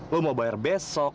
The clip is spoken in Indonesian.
lu mau bayar besok